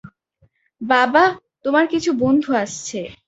বাবা, তোমার কিছু বন্ধু আসছে।